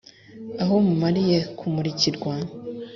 aho mumariye kumurikirwa